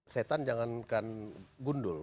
setan jangankan gundul